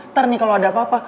ntar nih kalau ada apa apa